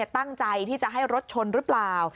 ตั้งใจที่จะให้รถชนหรือเปล่า